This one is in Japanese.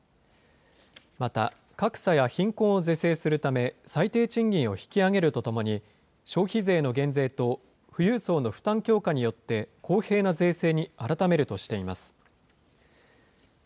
また、格差や貧困を是正するため、最低賃金を引き上げるとともに、消費税の減税と、富裕層の負担強化によって公平な税制に改めるとしています。